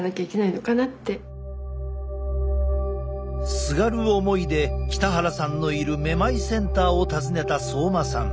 すがる思いで北原さんのいるめまいセンターを訪ねた相馬さん。